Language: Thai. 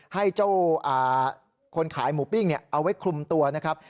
ให้เจ้าคนขายหมูปิ้งเอาไว้คลุมตัวนะครับ